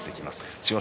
千代翔